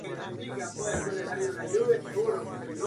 El programa ha sido presentado por Mariano Peluffo.